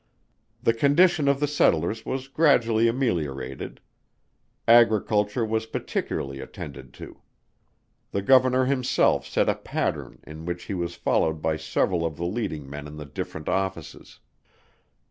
The condition of the settlers was gradually ameliorated; agriculture was particularly attended to: The Governor himself set a pattern in which he was followed by several of the leading men in the different offices.